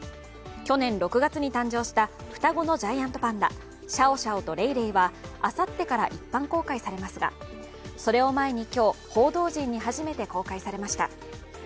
去年６月に誕生した双子のジャイアントパンダシャオシャオとレイレイはあさってから一般公開されますがそれを前に今日、報道陣に初めて公開されました。